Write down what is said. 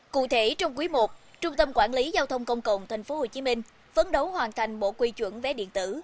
cụ thể trong quý i trung tâm quản lý giao thông công cộng tp hcm phấn đấu hoàn thành bộ quy chuẩn vé điện tử